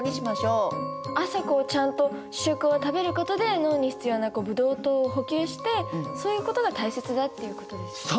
ちゃんと主食を食べることで脳に必要なブドウ糖を補給してそういうことが大切だっていうことですよね。